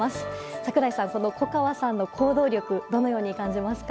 櫻井さん、この粉川さんの行動力どのように感じますか？